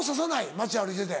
街歩いてて。